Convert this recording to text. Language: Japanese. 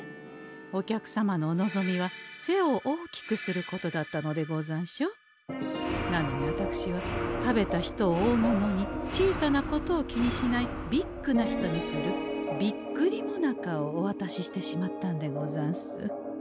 お客様のお望みは背を大きくすることだったのでござんしょ？なのにあたくしは食べた人を大物に小さなことを気にしないビッグな人にするビッグリもなかをおわたししてしまったんでござんす。